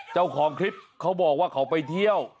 เจ้าของคลิปเขาบอกว่าเขาไปเที่ยว